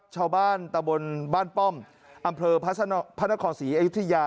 ชาวบ้านตะบนบ้านป้อมอำเภอพระนครศรีอยุธยา